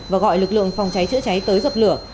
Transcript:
và gọi lực lượng phòng cháy chữa cháy tới dập lửa